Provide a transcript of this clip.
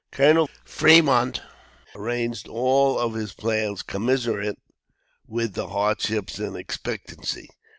Colonel Fremont arranged all of his plans commensurate with the hardships in expectancy.